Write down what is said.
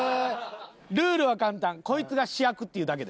ルールは簡単こいつが主役っていうだけです。